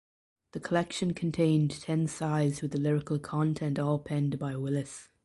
The collection contained ten sides with the lyrical content all penned by Willis.